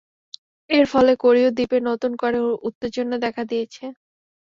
এর ফলে কোরীয় দ্বীপে নতুন করে উত্তেজনা দেখা দিয়েছে।